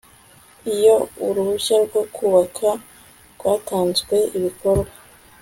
iyo uruhushya rwo kubaka rwatanzwe ibikorwa